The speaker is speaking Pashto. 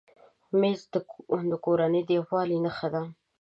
مېز د کورنۍ د یووالي نښه ده.